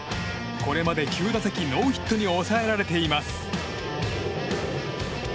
これまで９打席ノーヒットに抑えられています。